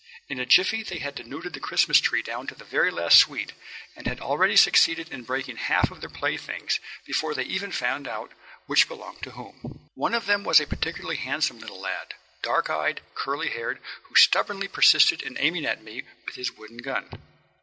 In a jiffy they had denuded the Christmas tree down to the very last sweet and had already succeeded in breaking half of their playthings before they even found out which belonged to whom. One of them was a particularly handsome little lad, dark eyed, curly haired, who stubbornly persisted in aiming at me with his wooden gun.